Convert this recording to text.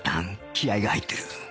気合が入ってる